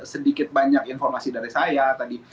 sedikit banyak informasi dari saya tadi